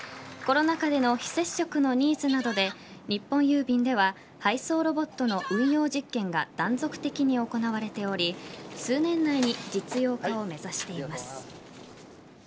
コロナ禍での非接触のニーズなどで日本郵便では配送ロボットの運用実験が断続的に行われており数年内に実用化を目指しています。